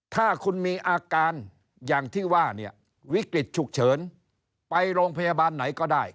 ถ้าคุณมีอาการอย่างที่ว่าเนี่ยวิกฤตฉุกเฉินไปโรงพยาบาลไหนก็ได้